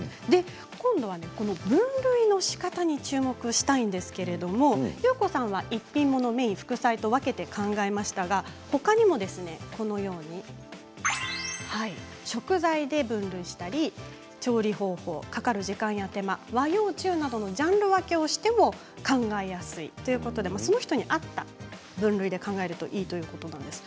今度は分類のしかたについて注目したいんですけどゆうこさんは一品もの、メイン、副菜で分けましたけどほかにも食材で分類したり調理方法、かかる時間や手間和洋中などのジャンル分けをしても考えやすいということでその人に合った分類で考えるといいということなんです。